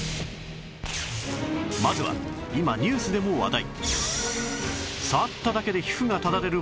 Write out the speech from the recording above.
まずは今ニュースでも話題